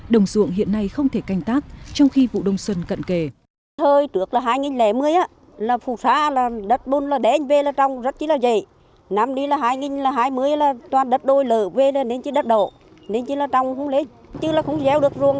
đồng ruộng hiện nay không thể canh tác trong khi vụ đông xuân cận kề